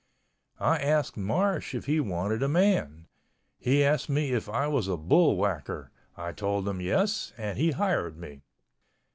I asked Marsh if he wanted a man. He asked me if I was a bullwhacker. I told him yes, and he hired me.